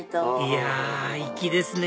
いや粋ですね